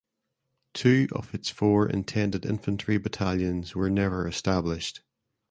Two of its four intended infantry battalions were never established.